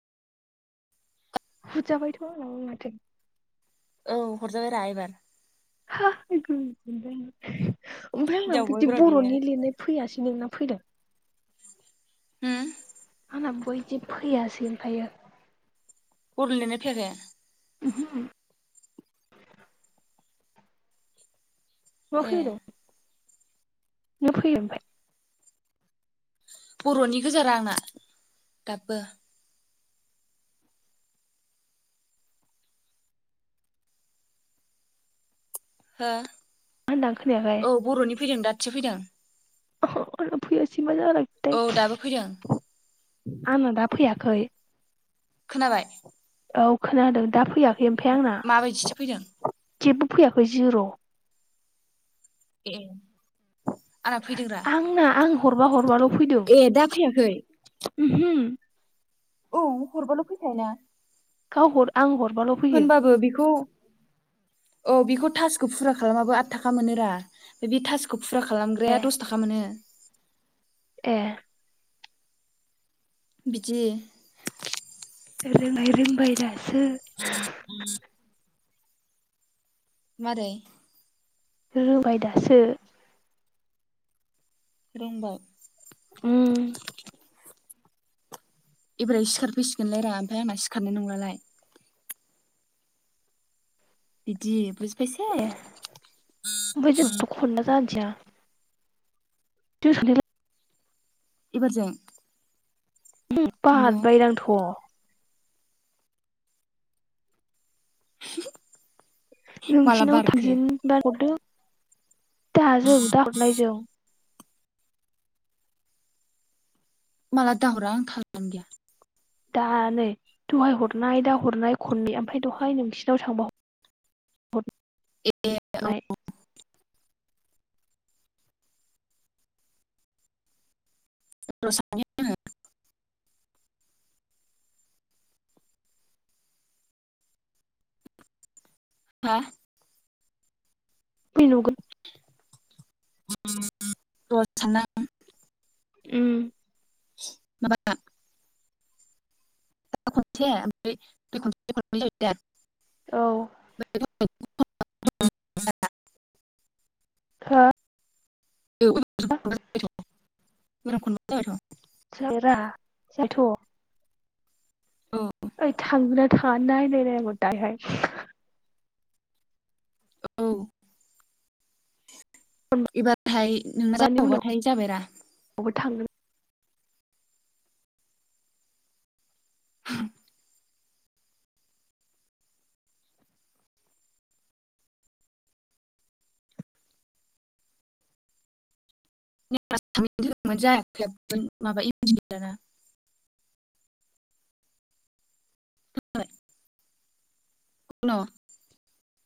[unintelligible] औ हरजाबायब्रा एबार। [unintelligible] ओमफ्राय आंना हिनजाव बिदि बयब्र' बियो बर'नि लिरनाय फैयासै नोंना फैदों? होम आंना मा बयदि फैयासै ओमफायो। बर' लिरनाय फैयाखै? उमहो। ए नुवाखै आरो। नोंना फैयो ओमफाय? बर'नि गोजा रा आंना दाबबो। हो? होनदों आं खोनायाखै औ बर'नि फैदों दासो फैदों। अह' आंना फैयासै। मा औ जालायखोथाय। दाबो फैदों आंना दा फैयाखै। खोनाबाय? औ खोनादों दा फैया। इमफाय आंना माबायदिसो फैदों जेबबो फैयाखै जिर'। ए। आंना फैदोंरा आंना आं हरबा हरबाल' फैदों। ए दा फैयाखै उमहो। औ हरबाल' फैखायो ना। गाव हर आं हर होनबाबो बेखौ औ बेखौ थासखौ फुरा खालामाबो आद थाखा मोनो रा बे थास खौ फुरा खालामग्राया ए दस थाखा मोनो। ए बिदि [unintelligible] रोंनाय रोंबाय दासो [unintelligible] मारै रोबाय दासो रोंबाय उम एबोरै सिखारफैसिगोनलै रा ओमफ्राय आंना सिखारनाय नंलालाय बिदि बुज ए ओमफाय जोंथ' खनना जादिया जों सानैलाय एबारजों बै बाहार नंगौ बायरांथ' [unintelligible] माला नोंसिनाव बारखो थांजेनबा हरदो दाजों दाहरनायजों माला दाहरा आं थालानो गैया दा नै दहाय हरनाय दा हरनाय खननै ओमफाय दहाय नोंसिनाव थांबा ह हर ए नाय [inaudible] [unintelligible] हा [unintelligible] [unintelligible] उम माबा दा खनसे ओमफ्राय दहय खनसे हरबाय जायो दा औ हो [unintelligible] [unintelligible] औ ओइ थांगोना थाङा नाय नायबाव दायहाय औ फन इबा हाय नोंना हरनायनि उनावबो जाबावबाथाय जाबायरा थांगोन [inaudible] [unintelligible] [inaudible] [unintelligible]